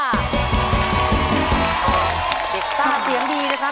ซ่าเสียงดีนะครับ